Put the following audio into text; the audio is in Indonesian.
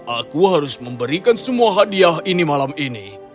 aku harus memberikan semua hadiah ini malam ini